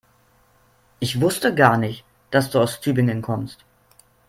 Ich wusste gar nicht, dass du aus Tübingen kommst